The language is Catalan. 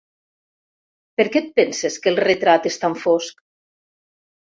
Per què et penses que el retrat és tan fosc?